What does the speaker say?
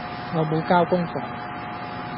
我無交功課